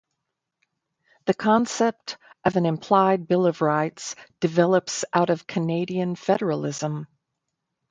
The concept of an implied bill of rights develops out of Canadian federalism.